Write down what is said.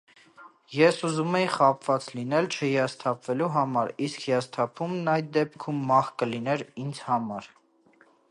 Ես ուզում էի խաբված լինել չհիասթափվելու համար, իսկ հիասթափումն այդ դեպքում մահ կլիներ ինձ համար: